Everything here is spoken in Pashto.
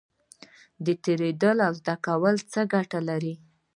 تیریدل زده کول څه ګټه لري؟